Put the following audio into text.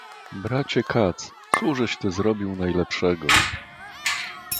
"bracie Katz, cóżeś ty zrobił najlepszego?..."